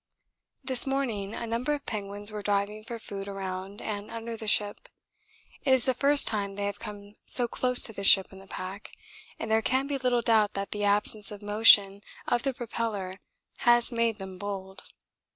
This morning a number of penguins were diving for food around and under the ship. It is the first time they have come so close to the ship in the pack, and there can be little doubt that the absence of motion of the propeller has made them bold.